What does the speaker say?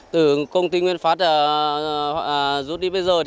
từ công ty nguyên pháp rút đi bây giờ